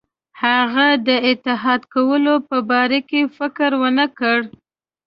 هغه د اتحاد کولو په باره کې فکر ونه کړي.